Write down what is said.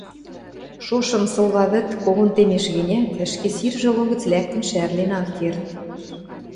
Шошым Сылва вӹд когон темеш гӹнят, ӹшке сиржӹ логӹц лӓктӹн шӓрлен ак керд